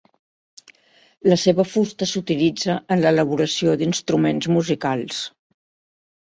La seva fusta s'utilitza en l'elaboració d'instruments musicals.